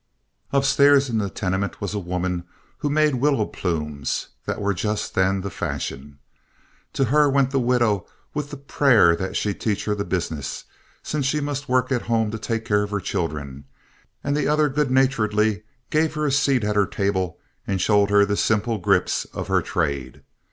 Upstairs in the tenement was a woman who made willow plumes, that were just then the fashion. To her went the widow with the prayer that she teach her the business, since she must work at home to take care of her children; and the other good naturedly gave her a seat at her table and showed her the simple grips of her trade.